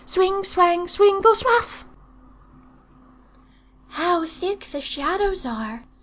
Swing, swang, swingle, swuff!' "'How thick the Shadows are!'